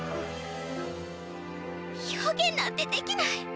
表現なんてできない。